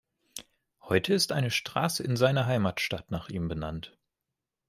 Heute ist eine Straße in seiner Heimatstadt nach ihm benannt.